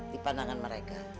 di pandangan mereka